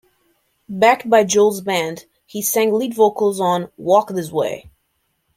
Backed by Joel's band, he sang lead vocals on "Walk This Way".